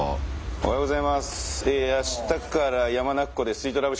おはようございます。